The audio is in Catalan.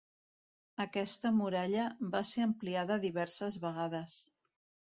Aquesta muralla va ser ampliada diverses vegades.